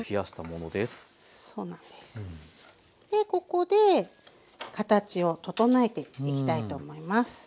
ここで形を整えていきたいと思います。